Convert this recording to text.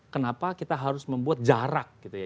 kenapa kita harus membuat jarak gitu ya